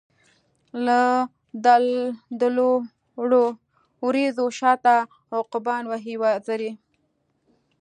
لادلوړو وریځو شاته، عقابان وهی وزری